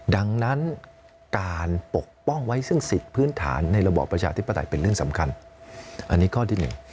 ดังนั้นการปกป้องไว้ซึ่งสิทธิ์พื้นฐานในระบอบประชาธิปไตยเป็นเรื่องสำคัญอันนี้ข้อที่หนึ่ง